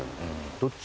どっち？